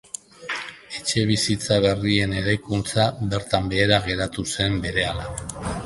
Etxebizitza berrien eraikuntza bertan behera geratu zen berehala.